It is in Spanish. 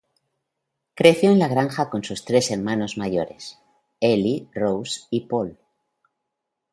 Creció en la granja con sus tres hermanos mayores, Elli, Rose y Paul.